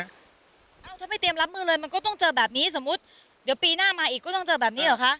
เอ้าถ้าไม่เตรียมรับมือเลยมันก็ต้องเจอแบบนี้สมมุติเดี๋ยวปีหน้ามาอีกก็ต้องเจอแบบนี้เหรอคะ